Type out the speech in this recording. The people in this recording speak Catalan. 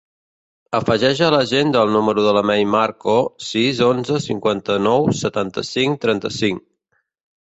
Afegeix a l'agenda el número de la Mei Marco: sis, onze, cinquanta-nou, setanta-cinc, trenta-cinc.